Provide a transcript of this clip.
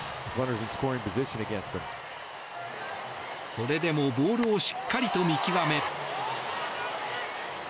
それでもボールをしっかりと見極め。